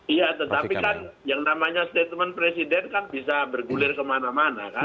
iya tetapi kan yang namanya statement presiden kan bisa bergulir kemana mana kan